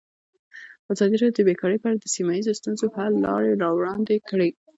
ازادي راډیو د بیکاري په اړه د سیمه ییزو ستونزو حل لارې راوړاندې کړې.